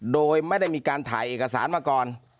โดยไม่ได้มีการถ่ายเอกสารมาก่อน